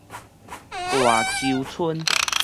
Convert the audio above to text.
大坵村